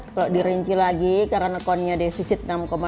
kalau dirinci lagi karanekonnya defisit enam dua